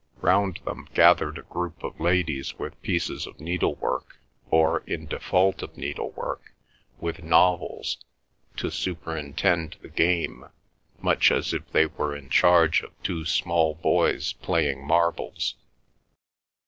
Round them gathered a group of ladies with pieces of needlework, or in default of needlework, with novels, to superintend the game, much as if they were in charge of two small boys playing marbles.